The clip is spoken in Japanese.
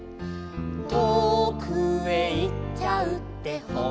「とおくへ行っちゃうってほんとかな」